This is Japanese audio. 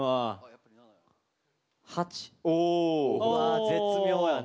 うわ絶妙やな。